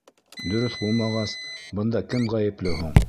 Дөрөҫ булмағас, бында кем ғәйепле һуң?